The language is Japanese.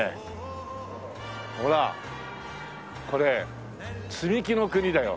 ほらこれ積み木の国だよ。